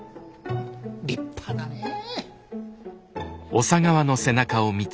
立派だねえ。